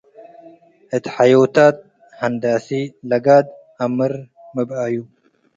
እት ሐዮታት ሀንዳሲ - ለጋድ አምር ምብኣዩ